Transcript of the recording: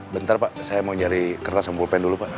bentar pak saya mau cari kertas sama pulpen dulu pak